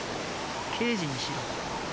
刑事にしろ。